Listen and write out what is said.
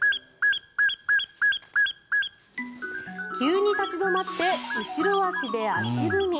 急に立ち止まって後ろ足で足踏み。